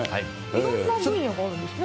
いろんな分野があるんですね。